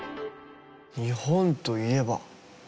日本といえば。